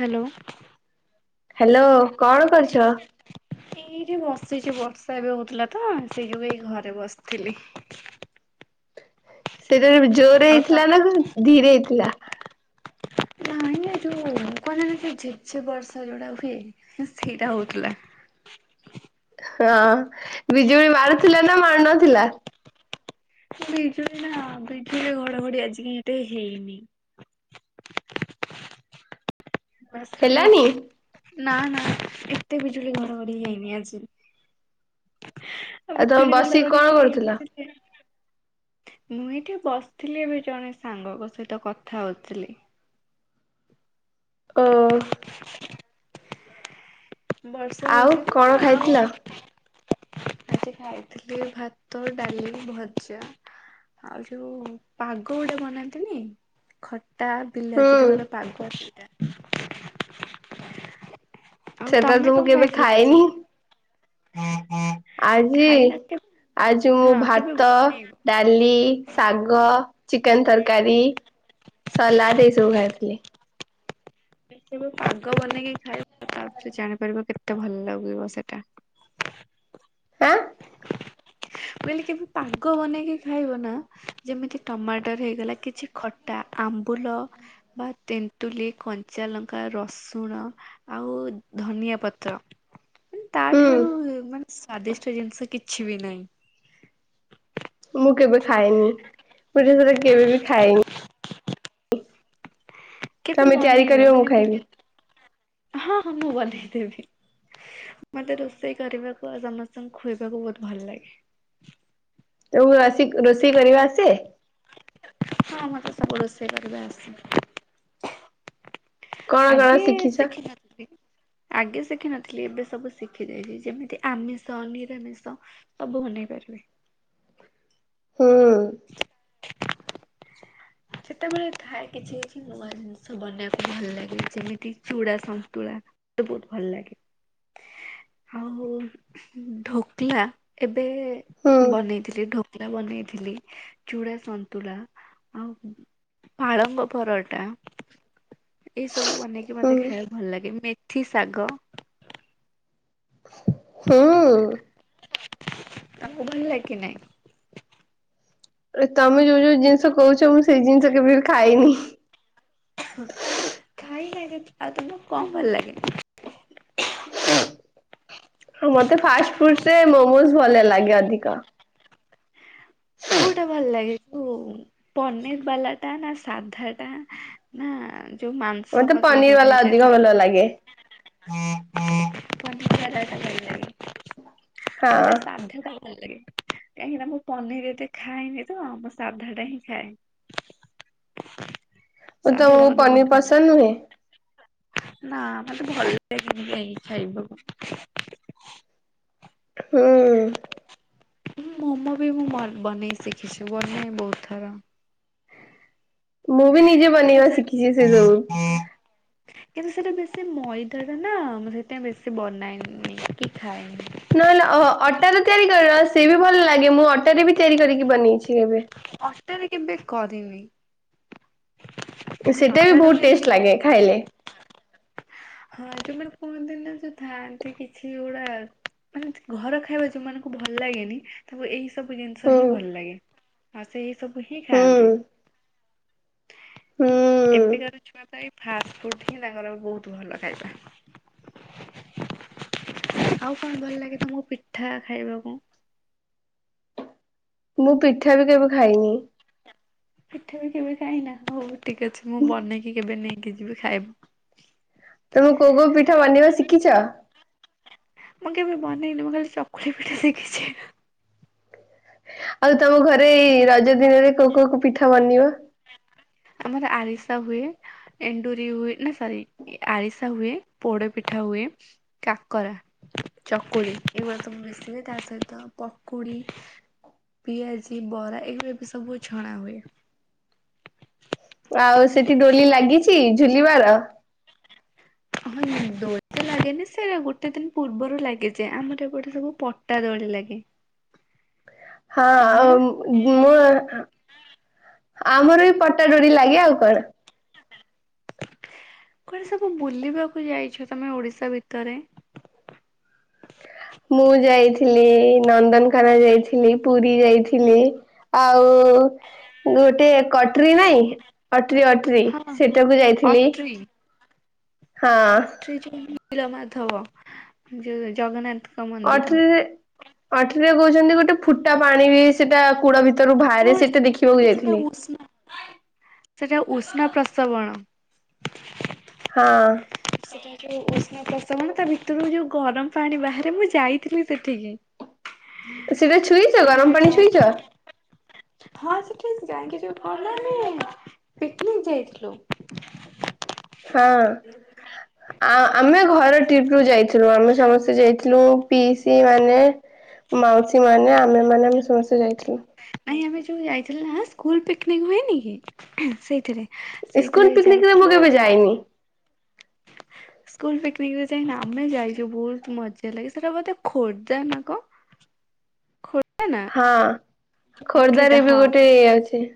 Hello hello କଣ କରୁଛ। ଏଇଠ ବସିଛି ବର୍ଷା ଏବେ ହଉଥିଲା ତ ସେଇ ଯୋଗୁଁ ଏଇ ଘରେ ବସିଥିଲି। ଜୋର ଆଉ ତମ ହେଇଥିଲା ନା ଧୀରେ ହେଇଥିଲା। ଜାଣ ନା ଯୋଉ ଲୋକାନ ଝେ ଝେ ବର୍ଷା ଯୋଉଟା ହୁଏ ସେଇଟା ହଉଥିଲା। ହଁ ବିଜୁଳି ମାରୁଥିଲା ନା ମାରୁ ନଥିଲା। ବିଜୁଳି ନା ବିଜୁଳିରେ ଘଡଘଡି ଆଜିିକାଲି ଏଟ ହେଇନି ହେଲାନି? ବସଲିଛି ନା ନା ଏତେ ବିଜୁଳି ଘଡଘଡି ହେଇନି ଆଜି ଆଉ ତମେ ବିଜୁଳି ବସିକି ଘଡଘଡି କଣ କରୁଥିଲ। ହେଇଥିଲେ ମୁଁ ଏଇଠି ବସିଥିଲି ଏବେ ଜଣେ ସାଙ୍ଗଙ୍କ ସହିତ କଥା ହଉଥିଲି। [inaudible] ବର୍ଷା ଆଉ ହଉଛି ତ କଣ ଆଉ ଖାଇଥିଲ? ଆଜି ଖାଇଥିଲି ଭାତ ଡାଲି ଭଜା ଆଉ ଯୋଉ ପାଗ ଗୋଟେ ବନାନ୍ତିନି ଖ ଟା ହୁଁ ବିଲାତିଟ ଗୋଟେ ପାଗ ସେଟା [inaudible] ସେଟା ତ ମୁଁ କେବେ ଖାଏନି ଆଜି ଖାଇନ କେବେ ଆଜି ମୁଁ ହଁ କେବେ ଭାତ ବନେଇବ ଡାଲି ଶାଗ ଚିକେନ ତରକାରୀ ସଲାଦ ଏଇ ସବୁ ଖାଇଥିଲି। [inaudible] ସେବେ ପାଗ ବନେଇକି ଖାଏ। ତାପରେ ଜାଣିପାରିବ କେତେ ଭଲ ଲାଗିବ ସେଟା ଆଁ ବୋଇଲେ କେବେ ପାଗ ବନେଇକି ଖାଇବ ନା ଯେମିତି ଟମାଟର ହେଇଗଲା କିଛି ଖଟା ଆମ୍ବ ଫୁଲ ବା ତେନନ୍ତୁଲି କ କଞ୍ଚା ଲଙ୍କା ରସୁଣ ଆଉ ଧନିଆ ପତ୍ର ହୁଁ ତାଠାରୁ ମାନେ ସ୍ଵାଦିଷ୍ଟ ଜିନିଷ କିଛି କିଛି ବି ନାହିଁ। ମୁଁ କେବେ ଖାଏନି ପୂଝ ସୋ କେବେ ବି ଖାଏନି କେବେ ତମେ ତିଆରି ବନେଇବ କରିବ ମୁଁ ମାନେ ବିଲ ଖାଇବି। ହଁ ହଁ ମୁଁ ବନେଇବି ମତେ ରୋଷେଇ କରିବାକୁ ଆଉ ସମସ୍ତଙ୍କୁ ଖୁଇବାକୁ ବହୁତ ଭଲ ଲାଗେ। ରୁମ୍ ରୁ ଆସିକ ରୋଷେଇ କରିବା ଆସେ? ହଁ ମତେ ସବୁ ରୋଷେଇ କରିବା ଆସେ। କଣ କଣ ଆଗେ ଶିଖିଛ? ଶିଖି ନଥିଲି। ଆଗେ ଶିଖିନଥିଲି ଏବେ ସବୁ ଶିଖି ଯାଇଛି ଯେମିତି ଆମିଷ ନିରାମିଷ ସବୁ ବନେଇ ପାରିବି। ହୁଁ। ସେତେବେଳେ ଥାଏ କିଛି କିଛି ନୂଆ ଜିନିଷ ବନେଇବାକୁ ଭଲ ଲାଗେ ଯେମିତି ଚୁଡ଼ା ସନ୍ତୁଳା ମତେ ବହୁତ ଭଲ ଲାଗେ ଆଉ ଢୋକଲା ଏବେ ହୁଁ ଏବେ ବନେଇଥିଲି ଢ଼ୋ ଲା ବନେଇଥିଲି ଚୁଡ଼ା ସନ୍ତୁଳା ଆଉ ପାଳଙ୍ଗ ପରଟା। ଏ ସବୁ ବନେଇକି ହୁଁ ମତେ ଖାଇବା ଭଲ ଲାଗେ ମେ ମେଥି ଶାଗ। ହଁ। ତାକୁ ଭଲ ଲାଗେ କି ନାଇଁ? ତମେ ଯୋଉ ଯୋଉ ଜିନିଷ କହୁଛ ମୁଁ ସେଇ ଜିନିଷ କେବେ ବି ଖାଇନି। ଖାଇନ ଆଉ ତମକୁ କଣ ଭଲ ଲାଗେ? ମତେ ଫାଷ୍ଟ ଫୁଡ ରେ ମୋମୋ ଭଲ ଲାଗେ ଅଧିକ। କୋଉଟା ଭଲ ଲାଗେ କୋଉ ପନିର ବାଲା ଟା ନା ସାଧା ଟା ନା ଯୋଉ ମାଂସ ମତେ ପସେଇକି ପନିର ଯୋଉଟା ବାଲା ହେଇଥାଏ ଅଧିକ ଭଲ ଲାଗେ ସେ ପନିର ବାଲା ଟା ଭଲଲାଗେ। ହଁ ଆଉ ଯଉ ସାଧା ଟା ଭଲ ଲାଗେ କାହିଁକି ନା ମୁଁ ପନିର ଏତେ ଖାଏନି ତ ମୋ ସାଧା ଟା ହିଁ ଖାଏ। ଓ ସାଧା ଟା ତମକୁ ମତେ ବହୁତ ପନିର ଭଲ ଲାଗେ ପସନ୍ଦ ନୁହେଁ? ନା ମତେ ଭଲ ଲାଗେନି ଖାଇବାକୁ। ହୁଁ। ମୋମୋ ବି ମୁଁ ବନେଇ ଶିଖିଛି ବନାଏ ବହୁତ ଥର। ମୁଁ ବି ନିଜେ ବନେଇବା ଶିଖିଛି ସେ ସବୁ। କିନ୍ତୁ ସେଇଟା ବେଶୀ ମଇଦା ଟା ନା ମୁଁ ସେଇଥିପାଇଁ ବେଶୀ ବନାଏନି କି ଖାଏନି। ନହେଲେ ଅ ଅଟାରେ ତିଆରି କର ସେ ବି ଭଲ ଲାଗେ ମୁଁ ଅଟାରେ ବି ତିଆରି କରିକି ବନେଇଛି। କେବେ। ଅଟାରେ କେବେ କରିନି। ସେଟା ବି ଅଟାଟାକୁ ବହୁତ ଯଦି ଟେଷ୍ଟ ଲାଗେ ଖାଇଲେ। ହଁ ଯୋଉମାନେ କୁହନ୍ତିନି ନା ଯୋଉ ଥାଆନ୍ତି କିଛି ଗୁଡା ମାନେ ଘର ଖାଇବା ଯୋଉମାନଙ୍କୁ ଭଲ ଲାଗେନି ତାକୁ ଏଇ ଏ ସବୁ ଜିନିଷ ହୁଁ ହିଁ ଭଲ ଲାଗେ। ହଁ ସେଇ ସବୁ ହିଁ ଖାଆନ୍ତି ହୁଁ। ହୁଁ ଏବେକାର ଛୁଆ ପାଇଁ ଫାଷ୍ଟ ଫୁଡ ହିଁ ତାଙ୍କର ବହୁତ ଖାଇବା ଆଉ କଣ ଭଲ ଲାଗେ ତମକୁ ପିଠା ଖାଇବାକୁ? ମୁଁ ପିଠା ବି କେବେ ଖାଇନି ପିଠା ବି କେବେ ଖାଇନା ହଉ ଠିକ ଅଛି ମୁଁ ବନେଇକି କେବେ ନେଇକି ଯିବି ଖାଇବ ତମେ କଉ କଉ ପିଠା ବନେଇିବା ଶିଖିଛ ମୁଁ କେବେ ବନେଇନି ମୁଁ ଖାଲି ଚକୁଳି ପିଠା ଶିଖିଛି ଆଉ ତମ ଘରେ ଏଇ ରଜ ଦିନରେ କୋଉ କୋଉ ପିଠା ବନିବ ଆମର ଆରିସା ହୁଏ ଏଣ୍ଡୁରି ହୁଏ ନା ସରି ଆରିସା ହୁଏ ପୋଡ ପିଠା ହୁଏ କାକରା ଚକୁଳି ଏଗୁଡା ସବୁ ବେଶୀ ହୁଏ ତା ସହିତ ପକୁଡି ପିଆଜି ବରା ଏଗୁରା ବି ସବୁ ଛଣା ହୁଏ। ଆଉ ସେଠି ଡୋଲି ଲାଗିଛି ଝୁଲିବାର। ହଁ ଦୋଳି ତ ଲାଗେନି ସେଇଟା ଗୋଟେ ଦିନ ପୂର୍ବରୁ ଲାଗିଯାଏ ଆମର ଏପଟେ ସବୁ ପଟା ଦୋଳି ଲାଗେ। ହଁ ତମର? ମୁଁ। ଆମର ବି ପଟା ଦୋଳି ଲାଗେ ଆଉ କଣ? କୁଆଡେ ସବୁ ବୁଲିବାକୁ ଯାଇଛ ତମେ ଓଡିଶା ଭିତରେ ମୁଁ ଯାଇଥିଲି ନନ୍ଦନକାନନ ଯାଇଥିଲି ପୁରୀ ଯାଇଥିଲି ଆଉ-ଉ ଗୋଟେ କଟରୀ ନାଇଁ ଅଟରି ଅଟରି ହଁ ହଁ ସେଟାକୁ ଯାଇଥିଲି। ହଁ ଅଟ୍ରିଜେଡି। ନୀଳ ମାଧବ ଯୋଉ ଜଗନ୍ନାଥ। ଅଟରୀରେ ଅଟରୀରେ କହୁଛନ୍ତି ଗୋଟେ ଫୁଟା ପାଣି ବି ସେଟା କୁଡା ଭିତ ତେଣୁ ବାହାରେ ସେଟା ଦେଖିବାକୁ ଯାଇଥିଲି ପ୍ନ ପ୍ରସବଣ। ହଁ। ସେଟା ଯୋଉ ଉଷ୍ଣ ପ୍ରସବଣ ତା ଭିତରୁ ଯୋଉ ଗରମ ପାଣି ବାହାରେ ମୁଁ ଯାଇଥିଲି ସେଠିକି। ସିଧା ଛୁଇଁଚ ଆମେ ଗରମ ଯୋଉ ପାଣି ଯାଇ ଛୁଇଁଚ ହଁ ସେଠି ଯାଇକି ଯଉ କହିଲନି ପିକନିକ ଯାଇଥିଲୁ ହଁ ଆ ଆମେ ଘର ଟିପ ରୁ ଯାଇଥିଲୁ ଆମେ ସମସ୍ତେ ଯାଇଥିଲୁ ପିସ୍ ଦି ମାନେ ମାଉସୀ ମାନେ ଆମେ ମାନେ ଆମେ ସମସ୍ତେ ଯାଇଥିଲୁ ନାଇଁ ଆମେ ଯୋଉ ଯାଇଥିଲ ନା ସ୍କୁଲ ପିକନିକ ହୁଏନି କି ସେଇଥିରେ ସେଇଥିରେ ସ୍କୁଲ ପିକନିକରେ ଯାଇଥିଲୁ ମୁ କେବେ ଯାଇନି ସ୍କୁଲ ପିକନିକରେ ଯାଇ ଆମେ ଯାଇଛୁ ବହୁତ ମଜା ଲାଗେ ସେଟା ବୋଧେ ଖୋର୍ଦ୍ଧା ନା କଣ ଖୋର୍ଦ୍ଧା ନା ହଁ। ଖୋର୍ଦ୍ଧାରେ ପାଟୁରିଟା ରେ ବି ହଁ ଗୋଟେ ଇଏ ଅଛି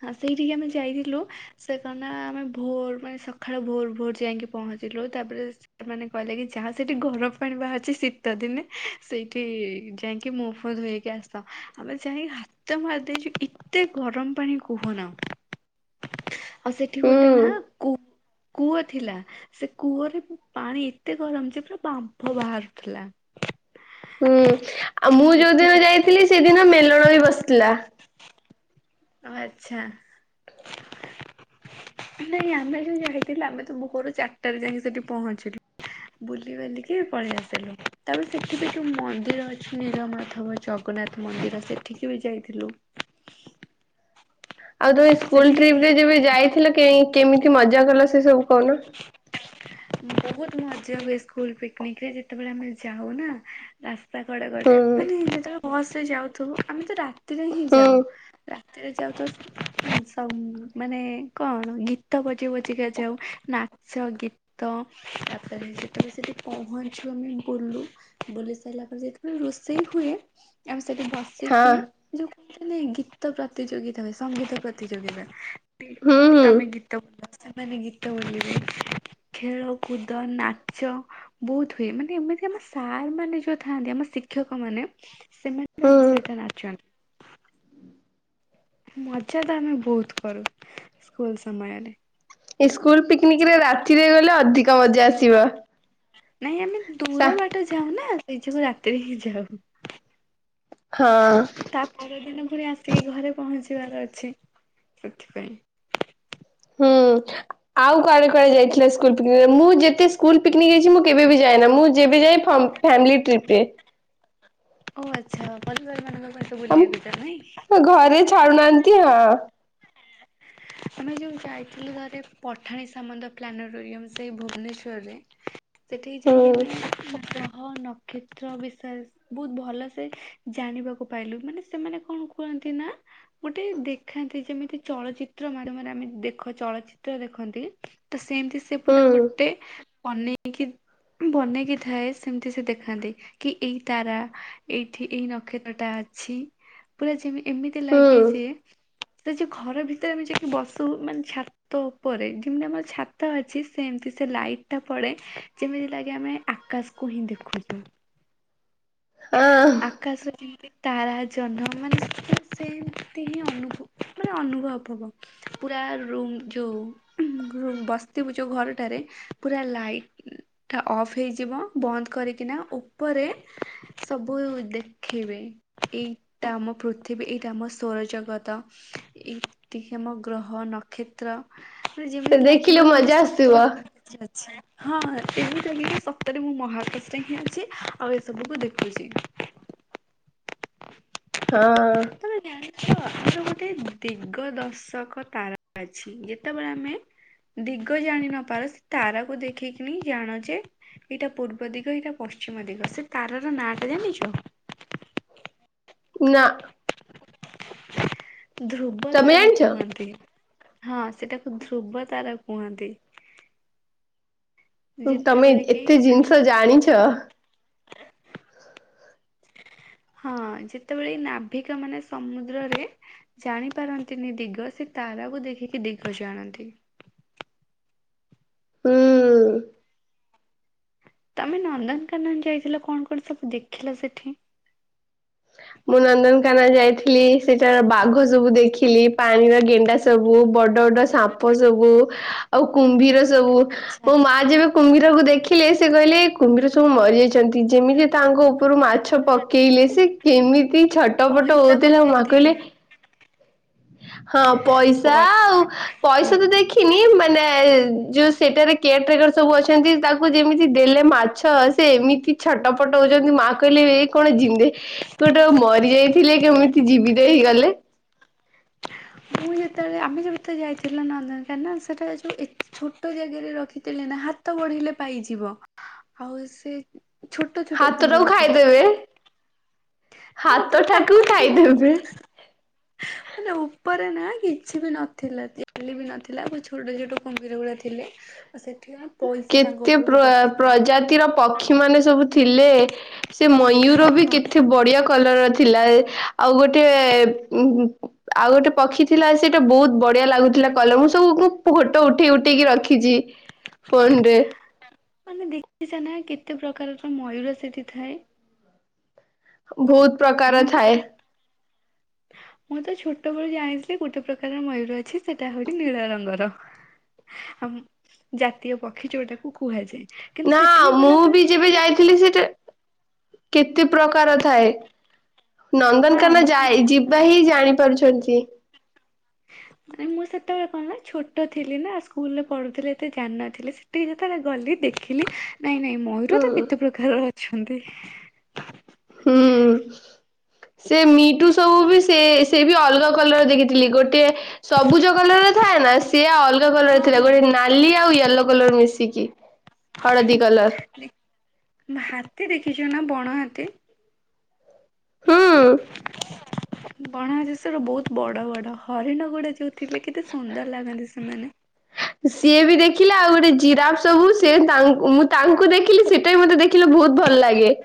ହଁ ସେଇଠିକି ଆମେ ଯାଇଥିଲୁ ସେ କ ଆମେ ଭୋର ମାନେ ସକାଳ ଭୋର ଭୋର ଯାଇକି ପହଞ୍ଚିଲୁ ତାପରେ ସେମାନେ କହିଲେ କି ଯାହା ସେଇଠି ଗରମ ପାଣି ବାହାରିଛି ଶୀତ ଦିନେ ସେଇଠି ଯାଇକି ମୁହଫୁଅ ଧୋଇ ହେଇକି ଆସ ଆମେ ଯାଇକି ହାତ ମାରି ଦେଇେଇଛୁ ଏତେ ଗରମ ପାଣି କୁହନା ଆଉ ସେଠି ଗୋଟେ ହୁଁ। ନା କୁ କୁଅ ଥିଲା ସେ କୂଅରେ ପାଣି ଏତେ ଗରମ ଯେ ପୁରା ବାମ୍ଫ ବାହାରୁଥିଲା। ହୁଁ ଆଉ ମୁଁ ଯୋଉ ସେଠି ଦିନ ଯାଇଥିଲି ସେଦିନ ମେଲ ଣ ବି ବସିଥିଲା। ଆଛା ନାଇଁ ଆମେ ଯଉ ଯାଇଥିଲୁ ଆମେ ତ ଭୋରୁ ଚାରିଟାରେ ଯାଇକି ସେଠି ପହଞ୍ଚିଲୁ, ବୁଲି ବାଲିକି ପଳେଇ ଆସିଲୁ। ତାପରେ ସେଠି ବି ଯୋଉ ମନ୍ଦିର ଅଛି। ନୀଳମାଧବ ଜଗନ୍ନାଥ ମନ୍ଦିର ସେଠିକି ବି ଯାଇଥିଲୁ। ଆଉ ତମେ ସ୍କୁଲ ସେଠିକି ଟ୍ରିପ ରେ ଯାଇଥିଲ ଯେବେ କି ନାଇଁ? ଯାଇଥିଲ କେହି କେମିତି ମଜା କଲ ସେ ସବୁ କହୁନ? ବହୁତ ମଜା ହୁଏ ସ୍କୁଲ ପିକନିକରେ ଯେତେବେଳେ ଆମେ ଯାଉ ନା [unintelligible] ହୁଁ ମାନେ ବସ୍ ରେ ଯାଉଥୁବୁ ଆମେ ତ ରା ରାତିରେ ହିଁ ଯାଉ ହୁଁ ସେରେ ଯାଉ ତ ସ ମାନେ କଣ ଗୀତ ବଜି ବଜିକ ଯାଉ ନାଚ ଗୀତ ତାପରେ ଯେତେବେଳେ ସେଠି ପହଞ୍ଚୁ ଆମେ ବୁଲୁ। ବୁଲି ସାରିଲା ପରେ ଯେତେବେଳେ ରୋଷେଇ ହୁଏ ଆ ସେଠି ବସିକି ହଁ ଯୋଉ ନାଇଁ ଗୀତ ପ୍ରତିଯୋଗିତା ହୁଏ, ସଙ୍ଗୀତ ପ୍ରତିଯୋଗିତା ହୁଁ ଏକ ହୁଁ ଆମେ ଗୀତ ବ [unintelligible] ଖେଳକୁଦ ନାଚ ବହୁତ ହୁଏ ମାନେ ଏମିତି ଆମ ସାର୍ ମାନେ ଯୋଉ ଥାଆନ୍ତି ଆମ ଶିକ୍ଷକ ମାନେ ସେମାନେ ଆମ ହୁଁ ସହିତ ନାଚନ୍ତି। ମଜା ତ ଆମେ ବହୁତ କରୁ। ସ୍କୁଲ ସମୟରେ ସ୍କୁଲ ପିକନିକରେ ରାତିରେ ଗଲେ ଅଧିକ ମଜା ଆସିବ [inaudible] ନାଇଁ ଆମେ ସା ଦୂର ବାଟ ଯାଉନା ଏଇ ଯିବ ରାତିରେ ହେଇ ଯାଉ ହଁ ତା ପରର ଦିନ ପରେ ଆସ ଟିକେ ଘରେ ପହଞ୍ଚିବାର ଅଛି ସେଥିପାଇଁ ହୁଁ ଆଉ କୁଆଡେ କୁଆଡେ ଯାଇଥିଲ ସ୍କୁଲ ପିକନିକରେ? ମୁଁ ଯେତେ ସ୍କୁଲ ପିକନିକ ଯାଇଛି ମୁଁ କେବେ ବି ଯାଏନା, ମୁଁ ଯେବେ ଯାଏ ଫ ଫାମିଲି ଟ୍ରିପରେ। ଓ ଆଛା। [unintelligible] ଆମ ଘରେ ଛାଡୁନାହାନ୍ତି ହଁ ଆମେ ଯୋଉ ଯାଇଥିଲୁ ଥରେ ପଠାଣି ସାମନ୍ତ ପ୍ଲାନେଟୋରିୟମ ସେଇ ଭୁବନେଶ୍ଵରରେ ସେଠିକି ହୁଁ ଯାଇ ଆ ମାନେ ହଁ ନକ୍ଷତ୍ର ବିଷୟରେ ବହୁତ ଭଲ ସେେ ଜାଣିବାକୁ ପାଇଲୁ ମାନେ ସେମାନେ କଣ କୁହନ୍ତି ନା ଗୋଟେ ଦେଖାନ୍ତି ଯେମିତି ଚଳଚିତ୍ର ମାଧ୍ୟମରେ ଆମେ ଦେଖ ଚଳଚିତ୍ର ଦେଖନ୍ତି ତ ସେମିତି ସେ ପୁରା ହୁଁ ଗୋଟେ ବନେଇକି ବନେଇକି ଥାଏ ସେମିତି ସେ ଦେଖାନ୍ତି କି ଏଇ ତାରା ଏଇଠି ଏଇ ନକ୍ଷତ୍ରଟା ଅଛି ପୁରା ଯେମିତି ଏମିତି ହୁଁ ଲାଗେ ଯେ ସେ ଯେ ଘର ଭିତରେ ଆମେ ଯାଇକି ବସୁ ମାନେ ଛାତ ଉପରେ ଯେମିତି ଆମର ଛାତ ଅଛି ସେମତି ସେ ଲାଇଟ ଟା ପଡେ ଯେମିତି ଲାଗି ଆମେ ଆକାଶକୁ ହିଁ ଦେଖୁଛୁ। ହଁ ଆକାସ ତାରା ଜନ୍ମ ମାନେ ସେମିତି ହିଁ ଅନଭ ପୁର ଅନୁଭବ ହବ ପୁରା ରୁମ ଯୋଉ ବସିବୁ ଯୋଉ ଘରଟାରେ ପୁରା ଲାଇଟ୍ ଅଫ୍ ହେଇଯିବ ବନ୍ଦ କରିକିନା ଉପରେ ସବୁ ଦେଖିବେ ଏଇଟା ଆମ ପୃଥିବୀ ଏଇଟା ଆମ ସ୍ୱରଜଗତ ଏଇତିକି ଆମ ଗ୍ରହ ନକ୍ଷତ୍ର ସେ ଯେମିତି ଦେଖିଲେ ଲାଗିବ କି ମୁଁ ମଜା ସତରେ ଆସିବ ମରିଚି ହଁ ଏମତି ଲାଗିବ ଯେ ସତରେ ମୁଁ ମହାକାଶ ହିଁ ଅଛି ଆଉ ଏସବୁକୁ ଦେଖ ଖୁଚି ହଁ ଅ ହ ଆମର ଗୋଟେ ଦିଗ ଦର୍ଶକ ତାରା ଅଛି ଯେତେବେଳେ ଆମେ ଦିଗ ଜାଣି ନପାରୁ ସେ ତାରାକୁ ଦେଖିକିନି ଜାଣୁଚେ ଏଇଟା ପୂର୍ବ ଦିଗ ଏଇଟା ପଶ୍ଚିମ ଦିଗ ସେ ତାରାର ନାଁ ଟା ଜାଣିଛ? ନା [inaudible] ଧ୍ରୁବ ତମେ ତାରା ଜାଣିଛ କୁହନ୍ତି, ହଁ ସେଟାକୁ ଧ୍ରୁବ ତାରା କୁହନ୍ତି, ତମେ ଯେତେବେଳେ କି ଏତେ ନା ଜିନିଷ ଜାଣିଛ, ହ ହଁ ଯେତେବେଳେ ନାଭିକ ମାନେ ସମୁଦ୍ରରେ ଜାଣିପାରନ୍ତିନି ଦିଗ ସେ ତାରାକୁ ଦେଖିକି ଦିଗ ଜାଣନ୍ତି, ହୁଁ ତମେ ନନ୍ଦନକାନନ ଯାଇଥିଲ କଣ କଣ ସବୁ ଦେଖିଲା ସେଠି? ମୁଁ ନନ୍ଦନକାନ ଯାଇଥିଲି ସେଠାରେ ବାଘ ସବୁ ଦେଖିଲି ପାଣିର ଗେଣ୍ଡା ସବୁ ବଡ ବଡ ସାପ ସବୁ ଆଉ କୁମ୍ଭୀର ସବୁ ଆଚ୍ଛା ମୋ ମା ଯେବେ କୁମ୍ଭୀରକୁ ଦେଖିଲେ, ସେ କହିଲେ କୁମ୍ଭୀର ସବୁ ମରିଯାଇଛନ୍ତି ଯେମିତି ତାଙ୍କ ଉପରୁ ମାଛ ପକେଇଲେ ସେ କେମିତି ଛଟ ପଟ ପଇସା ହଉଥିଲା ଆଉ ମା ପକାନ୍ତି ବି। କହିଲେ ହଁ ପଇସା ପଇ ଆଉ ହଁ। ପଇସା ତ ଦେଖିନି ବ ଯୋଉ ସେଠାରେ କେୟାର ଟେକର ସବୁ ଅଛନ୍ତି ତାକୁ ଯେମିତି ଦେଲେ ମାଛ ସେ ଏମିତି ଛଟ ପଟ ହଉଛନ୍ତି ମା କହିଲେ ଏ କଣ ଜିନ୍ଦେ କୋଉଟା ମରି ଯାଇଥିଲେ କେମିତି ଜୀବିତ ହେଇଗଲେ, ମୁଁ ଯେତେବେଳେ ଆମେ ଯେତେ ଯାଇଥିଲେ ନନ୍ଦନକାନ ସେଟା ରେ ଯୋଉ ଛୋଟ ଜାଗରେ ରଖିଥିଲି ନା ହାତ ବଢେଇଲେ ପାଇଯିବ, ଆଉ ସେ ଛୋଟ ଛୋଟ ହାତଟାକୁ କୁମ୍ଭୀର ଥିଲେ ଖାଇଦେବେ ଆଉ ହଁ ହାତ ପୁରା ଟାକୁ ପାଖରେ ଥିଲେ ଖାଇଦେବେ, ହେଲେ ଉପରେ ନା କିଛି ବି ନଥିଲା ଚାଲି ବି ନଥିଲା ବ ଛୋଟ ଛୋଟ କୁମ୍ଭିର ଗୁଡା ଥିଲେ, ଆଉ ସେଥିପାଇଁ ପଇସା ତାଙ୍କ କେତେ ଉପରକୁ ପ୍ର ପକାନ୍ତି। ପ୍ରଜାତିର ପକ୍ଷୀ ମାନେ ସବୁ ଥିଲେ, ସେ ମୟୂର ହଁ ବି ହଁ। କେତେ ବଢିଆ କଲର ଥିଲା ଆଉ ଗୋଟେ ଆଉ ଗୋଟେ ପକ୍ଷୀ ଥିଲା ସେଇଟା ବହୁତ ବଢିଆ ଲାଗୁଥିଲା କଲର ମୁଁ ସବୁ ଫୋଟ ଉଠେଇ ଉଠେଇକି ରଖିଛି, ଫୋନରେ, ମାନେ ଦେଖିଛ ନା କେତେ ପ୍ରକାରର ମୟୂର ସେଠି ଥାଏ, ବହୁତ ପ୍ରକାର ଆମେ ତ ଥାଏ ଛୋ ମୁଁ ତ ଛୋଟବେଳୁ ଜାଣିଥିଲି ଗୋଟେ ପ୍ରକାର ମୟୂର ଅଛି ସେଟା ହଉଛି ନୀଳ ରଙ୍ଗର ଆ ଜାତୀୟ ପକ୍ଷୀ ଯୋଉଟାକୁ କୁହାଯାଏ। କିନ୍ତୁ ନା ସେଠିକି ମୁଁ ଗଲା ପରେ ବି ଯେବେ ଦେଖିଲି କି ଯାଇଥିଲି ସେଟା କେତେ ପ୍ରକାର ଥାଏ। ହଁ ନନ୍ଦନକାନ ଯାଏ ମାନେ ମୁଁ ଯିବା ହିଁ ଜାଣିପାରୁଛନ୍ତି ମାନେ ମୁଁ ସେତେବେଳେ କଣ ନା ଛୋଟ ଥିଲି ନା ସ୍କୁଲ ରେ ପଢୁଥିଲେ ଏତେ ଜାଣିନ ଥିଲେ ସେଠିକି ଯେତେବେଳେ ଗଲି ଦେଖିଲି ନାଇଁ ନାଇଁ ମୟୂର ହୁଁ ତ କେତେ ପ୍ରକାର ଅ ଅଛନ୍ତି। ହୁଁ ସେ ମିଟୁ ସବୁ ବି ସେ ସେ ବି ଅଲଗା କଲର ଦେଖିଥିଲି ଗୋଟିଏ ସବୁଜ କଲର ର ଥାଏ ନା ସିଏ ଅଲଗା କଲର ହଁ ଥିଲା ହଁ। ଗୋଟେ ନାଲି ଆଉ ୟେଲୋ କଲର ମିଶିକି। କି ହାତୀ ଦେଖି ନା ବଣ ହାତୀ। ହୁଁ। ବଣ ଜେସର ବହୁତ ବଡ ବଡ ହରିଣ ଗୁଡା ଯୋଉ ଥିଲେ କେତେ ସୁନ୍ଦର ଲାଗନ୍ତି ସେମାନେ। ସିଏ ବି ଦେଖିଲା ଆଉ ଗୋଟେ ଜିରାଫ୍ ସବୁ ସେ ମୁଁ ତାଙ୍କୁ ଦେଖିଲି ସେଇଟା ବି ମତେ ଦେଖିଲେ ବହୁତ ଭଲ ଲାଗେ।